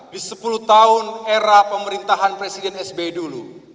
di sepuluh tahun era pemerintahan presiden sby dulu